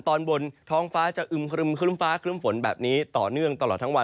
ท้องฟ้าจะคลื่มฝ่าคลื่มฝนแบบนี้ต่อเนื่องตลอดทั้งวัน